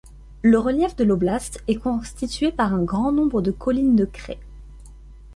Le relief de l'oblast est constitué par un grand nombre de collines de craie.